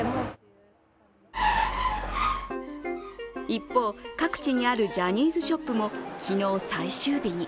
一方、各地にあるジャニーズショップも昨日最終日に。